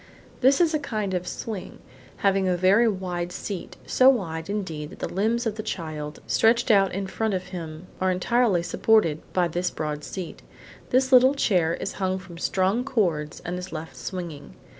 This is a kind of swing, having a very wide seat, so wide, indeed, that the limbs of the child stretched out in front of him are entirely supported by this broad seat. This little chair is hung from strong cords and is left swinging.